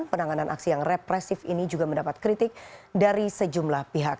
penanganan aksi yang represif ini juga mendapat kritik dari sejumlah pihak